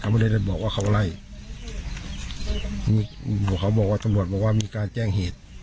ไม่ได้บอกว่าเขาไล่มีเขาบอกว่าตำรวจบอกว่ามีการแจ้งเหตุ